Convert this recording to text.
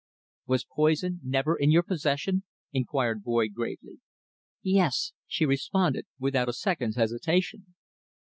"Was poison never in your possession?" inquired Boyd gravely. "Yes," she responded without a second's hesitation.